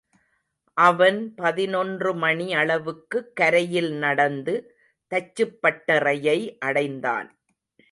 அவன் பதினொன்று மணி அளவுக்குக் கரையில் நடந்து, தச்சுப்பட்டறையை அடைந்தான்.